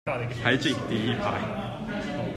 海景第一排